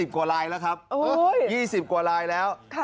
กว่าลายแล้วครับ๒๐กว่าลายแล้ว